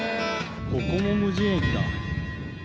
ここも無人駅だ。